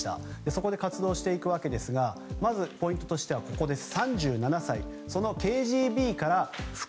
そこで活動していくわけですがまずポイントとしてはここです。